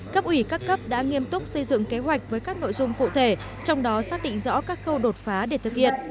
cấp ủy các cấp đã nghiêm túc xây dựng kế hoạch với các nội dung cụ thể trong đó xác định rõ các khâu đột phá để thực hiện